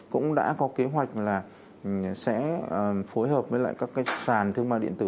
cũng đã có kế hoạch là sẽ phối hợp với lại các cái sàn thương mại điện tử